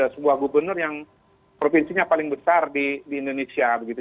sebuah gubernur yang provinsinya paling besar di indonesia begitu